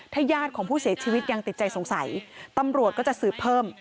ถ้าญาติของผู้เสียชีวิตยังติดใจสงสัยตำรวจก็จะสืบเพิ่ม